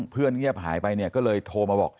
เงียบหายไปเนี่ยก็เลยโทรมาบอก